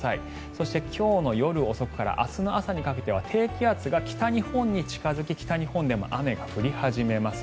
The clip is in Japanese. そして、今日の夜遅くから明日の朝にかけては低気圧が北日本に近付き北日本でも雨が降り始めます。